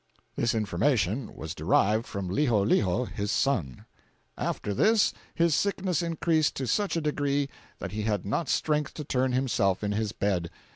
This information was derived from Liholiho, his son. "After this, his sickness increased to such a degree that he had not strength to turn himself in his bed.